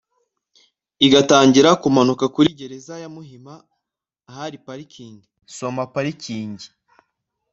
igatangira kumanuka kuri gereza ya Muhima ahari Parking (soma parikingi)